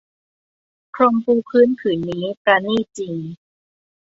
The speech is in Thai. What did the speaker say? พรมปูพื้นผืนนี้ปราณีตจริง